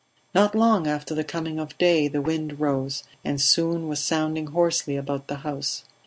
Not long after the coming of day the wind rose, and soon was sounding hoarsely about the house.